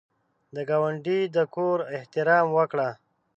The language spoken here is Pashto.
د ګاونډي د کور احترام وکړه